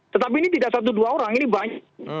tetapi ini tidak satu dua orang ini banyak